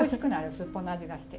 すっぽんの味がして。